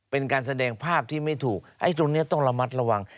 เป็นการแสดงภาพที่ไม่ถูกไอ้ตรงนี้ต้องระมัดระวัง